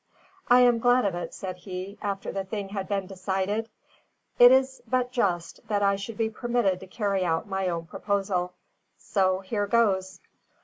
"I am glad of it," said he, after the thing had been decided. "It is but just that I should be permitted to carry out my own proposal. So here goes!"